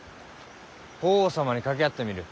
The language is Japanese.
法皇様に掛け合ってみる。